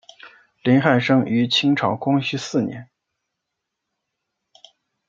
林翰生于清朝光绪四年。